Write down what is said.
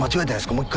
もう１回。